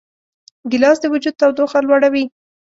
ګیلاس د وجود تودوخه لوړوي.